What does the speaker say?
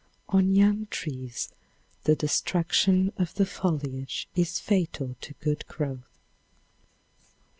On young trees the destruction of the foliage is fatal to good growth.